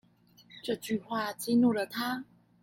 這句話激怒了他